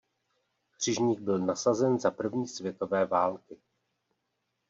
Křižník byl nasazen za první světové války.